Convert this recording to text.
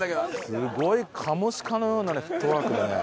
すごいカモシカのようなフットワークだね。